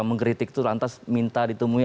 mengkritik itu lantas minta ditemui